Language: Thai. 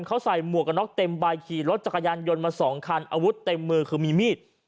เขาใส่หมวกกันน็อกเต็มใบขี่รถจักรยานยนต์มาสองคันอาวุธเต็มมือคือมีมีด